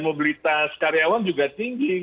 kualitas karyawan juga tinggi